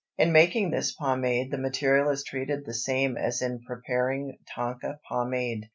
In making this pomade the material is treated the same as in preparing tonka pomade.